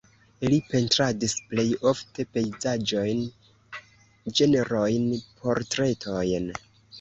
Li pentradis plej ofte pejzaĝojn, ĝenrojn, portretojn.